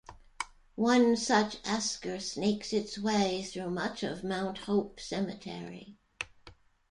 One such esker snakes its way through much of Mount Hope Cemetery.